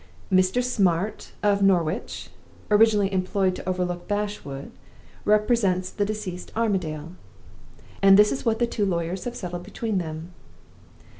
Mr. Smart, of Norwich (originally employed to overlook Bashwood), represents the deceased Armadale. And this is what the two lawyers have settled between them.